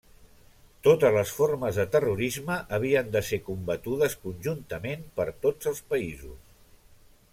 Totes les formes de terrorisme havien de ser combatudes conjuntament per tots els països.